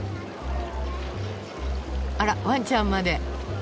あらわんちゃんまで。